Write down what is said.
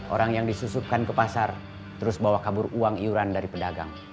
orang yang disusupkan ke pasar terus bawa kabur uang iuran dari pedagang